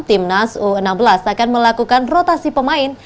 tim nas u enam belas akan melakukan rotasi pemain